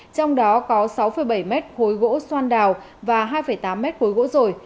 trong đó có sáu bảy m khối gỗ xoan đào và hai tám m khối gỗ rồi